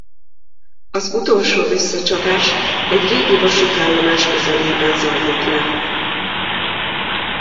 Az utolsó összecsapás egy régi vasútállomás közelében zajlik le.